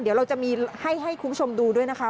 เดี๋ยวเราจะมีให้คุณผู้ชมดูด้วยนะคะ